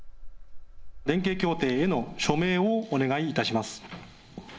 連携協定への署名をお願いいたします。